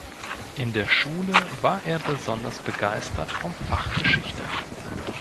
In der Schule war er besonders begeistert vom Fach Geschichte.